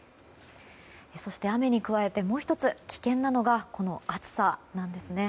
そして、雨に加えてもう１つ危険なのが暑さです。